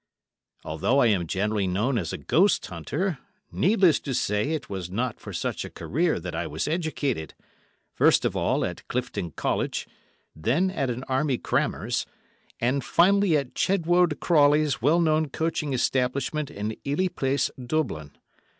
Although I am generally known as a ghost hunter, needless to say it was not for such a career that I was educated, first of all at Clifton College, then at an Army crammer's, and finally at Chedwode Crawley's well known coaching establishment in Ely Place, Dublin.